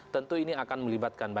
tentu ini akan melibatkan banyak hal